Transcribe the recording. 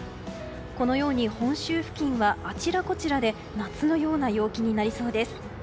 このように本州付近はあちらこちらで夏のような陽気になりそうです。